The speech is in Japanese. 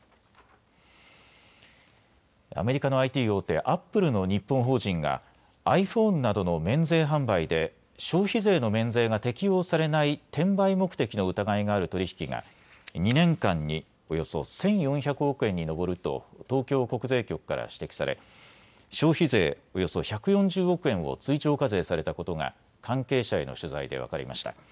アメリカのＩＴ大手、アップルの日本法人がｉＰｈｏｎｅなどの免税販売で消費税の免税が適用されない転売目的の疑いがある取り引きが２年間におよそ１４００億円に上ると東京国税局から指摘され消費税およそ１４０億円を追徴課税されたことが関係者への取材で分かりました。